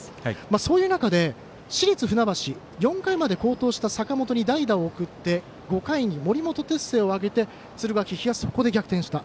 そういう中で、市立船橋４回まで好投した坂本に代打を送って５回に森本哲星を上げて敦賀気比がそこで逆転した。